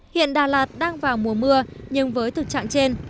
hiện đà lạt đang vào mùa mưa nhưng với thực trạng trên